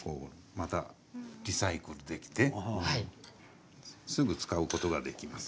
またリサイクルできてすぐに使うことができます。